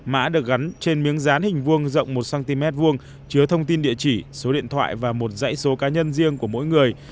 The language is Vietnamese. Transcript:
mã được gắn trên miếng rán hình vuông rộng một cm vuông chứa thông tin địa chỉ số điện thoại và một dãy số cá nhân riêng của mỗi người